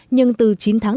nhưng từ chín tháng